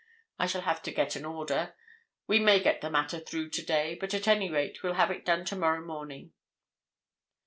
I shall have to get an order. We may get the matter through today, but at any rate we'll have it done tomorrow morning."